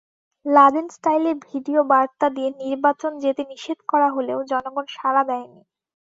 Laden স্টাইলে ভিডিওবার্তা দিয়ে নির্বাচন যেতে নিষেধ করা হলেও জনগণ সাড়া দেয়নি।